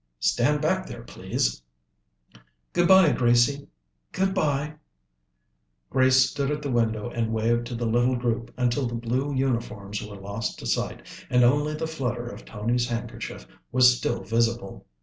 "Stand back there, please." "Good bye, Gracie!" "Good bye." Grace stood at the window and waved to the little group until the blue uniforms were lost to sight and only the flutter of Tony's handkerchief was still visible.